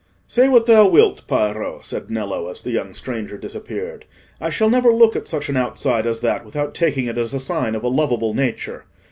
"Say what thou wilt, Piero," said Nello, as the young stranger disappeared, "I shall never look at such an outside as that without taking it as a sign of a lovable nature.